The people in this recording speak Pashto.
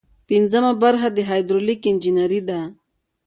پنځمه برخه د هایدرولیک انجنیری ده.